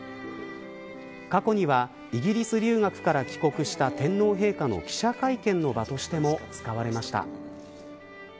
過去にはイギリス留学から帰国した天皇陛下の記者会見の場としても使われました。